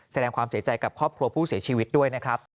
แสดงความเสียใจกับครอบครัวผู้เสียชีวิตด้วยนะครับ